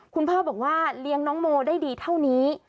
คุณพ่อบอกว่าเลี้ยงน้องโมได้ดีเท่านี้